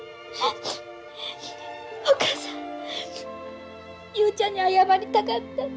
お母さん雄ちゃんに謝りたかった。